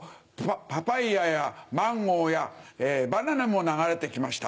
パパイアやマンゴーやバナナも流れて来ました。